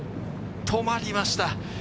止まりました。